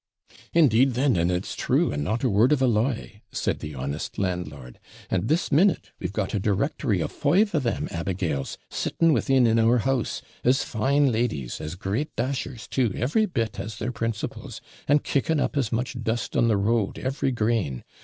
'Indeed, then, and it's true, and not a word of a lie!' said the honest landlord. 'And this minute, we've got a directory of five of them abigails, sitting within in our house; as fine ladies, as great dashers, too, every bit as their principals; and kicking up as much dust on the road, every grain!